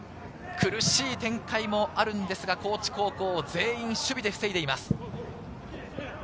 苦しい展開もあるんですが、高知高校、全員守備で防いでいます。